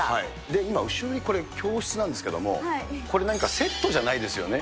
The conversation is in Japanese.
今、後ろにこれ、教室なんですけれども、これ、何かセットじゃないですよね？